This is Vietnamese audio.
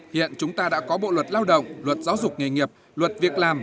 hiện chúng ta đã có bộ luật lao động luật giáo dục nghề nghiệp luật việc làm